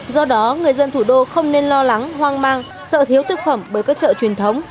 do đó người dân thủ đô không nên lo lắng hoang mang sợ thiếu thực phẩm bởi các chợ truyền thống